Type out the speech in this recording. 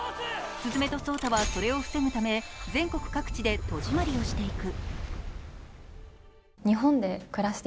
鈴芽と草太はそれを防ぐため全国各地で戸締まりをしていく。